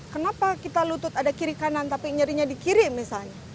kenapa kita lutut ada kiri kanan tapi nyerinya di kirim misalnya